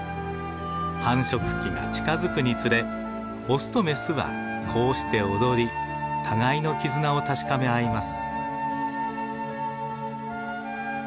繁殖期が近づくにつれオスとメスはこうして踊り互いの絆を確かめ合います。